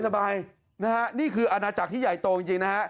สบายนะฮะนี่คืออาณาจักรที่ใหญ่โตจริงนะฮะ